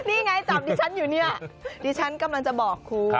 นี่ไงจับดิฉันอยู่เนี่ยดิฉันกำลังจะบอกครู